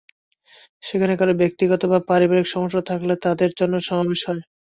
সেখানে কারো ব্যক্তিগত বা পারিবারিক সমস্যা থাকলে তাদের জন্য সমাবেশ হয়।